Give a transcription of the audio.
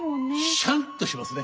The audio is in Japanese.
シャンとしますね。